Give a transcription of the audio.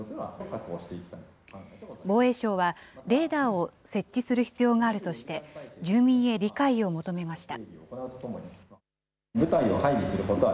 防衛省は、レーダーを設置する必要があるとして、住民へ理解を求めました。